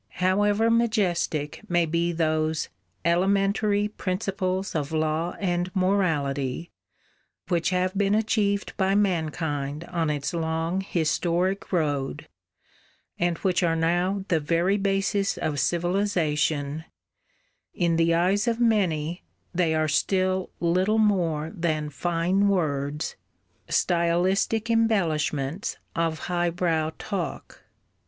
However majestic may be those "elementary principles of law and morality," which have been achieved by mankind on its long historic road and which are now the very basis of civilisation, in the eyes of many they are still little more than "fine words," stylistic embellishments of highbrow talk.